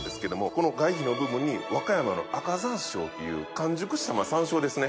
この外皮の部分に和歌山の赤山椒っていう完熟した山椒ですね。